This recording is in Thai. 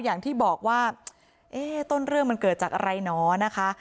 อย่างที่บอกว่าเอ๊ะต้นเรื่องมันเกิดจากอะไรหนอนะคะ